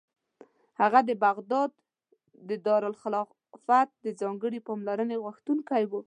هغه د بغداد د دارالخلافت د ځانګړې پاملرنې غوښتونکی و.